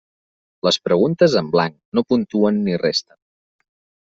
Les preguntes en blanc no puntuen ni resten.